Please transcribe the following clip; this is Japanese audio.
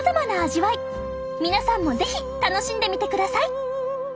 皆さんも是非楽しんでみてください！